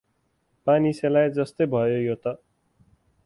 पानी सेलाए जस्तै भयो यो त।